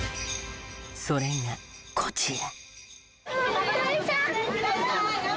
それがこちら。